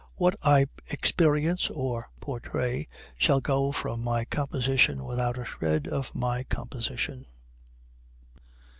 What I experience or portray shall go from my composition without a shred of my composition.